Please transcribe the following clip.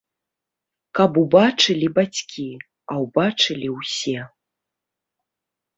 Каб убачылі бацькі, а ўбачылі ўсе.